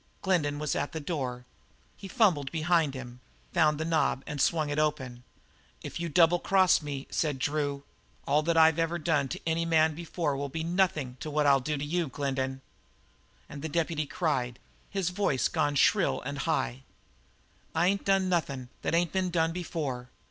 Glendin was at the door. He fumbled behind him, found the knob, and swung it open. "If you double cross me," said Drew, "all that I've ever done to any man before will be nothing to what I'll do to you, Glendin." And the deputy cried, his voice gone shrill and high, "I ain't done nothin' that ain't been done before!"